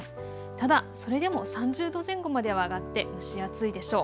ただそれでも３０度前後までは上がって蒸し暑いでしょう。